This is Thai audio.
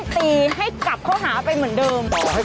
ตีให้แบบว่าให้ฟันมันจมลงไป